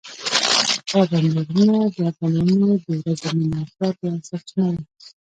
پابندي غرونه د افغانانو د ورځني معیشت یوه سرچینه ده.